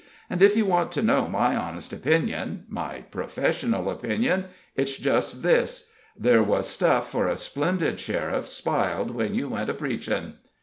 And if you want to know my honest opinion my professional opinion it's just this: There was stuff for a splendid sheriff spiled when you went a preachin'.